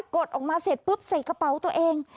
ดออกมาเสร็จปุ๊บใส่กระเป๋าตัวเอง